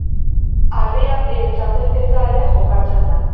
Harri Handien Txapelketa ere jokatzen da.